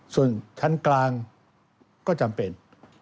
ส่วนชั้นกลางก็จำเป็น